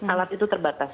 alat itu terbatas